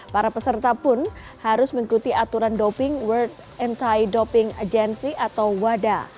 para peserta pun harus mengikuti aturan doping world anti doping agency atau wada